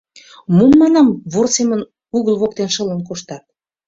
— Мом, — манам, — вор семын угыл воктен шылын коштат?